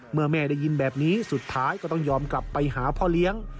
แม่ได้ยินแบบนี้สุดท้ายก็ต้องยอมกลับไปหาพ่อเลี้ยง